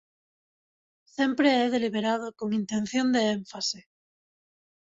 Sempre é deliberado e con intención de énfase.